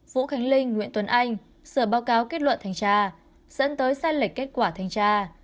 vũ khánh linh nguyễn tuấn anh sửa báo cáo kết luận thanh tra dẫn tới sai lệch kết quả thanh tra